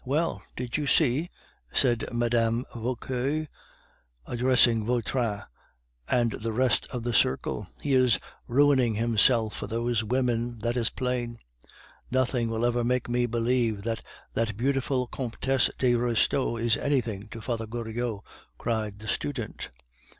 "Well, did you see?" said Mme. Vauquer, addressing Vautrin and the rest of the circle. "He is ruining himself for those women, that is plain." "Nothing will ever make me believe that that beautiful Comtesse de Restaud is anything to Father Goriot," cried the student.